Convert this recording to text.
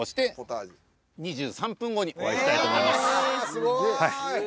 すごい。